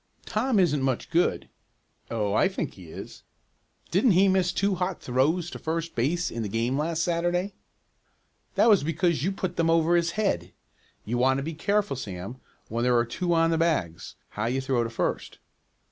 "Tom isn't much good." "Oh, I think he is." "Didn't he miss two hot throws to first base in the game last Saturday?" "That was because you put them over his head. You want to be careful, Sam, when there are two on the bags, how you throw to first.